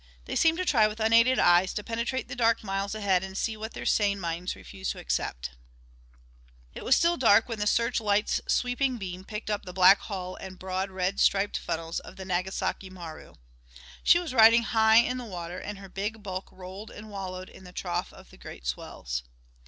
They seemed to try with unaided eyes to penetrate the dark miles ahead and see what their sane minds refused to accept. It was still dark when the search light's sweeping beam picked up the black hull and broad, red striped funnels of the Nagasaki Maru. She was riding high in the water, and her big bulk rolled and wallowed in the trough of the great swells.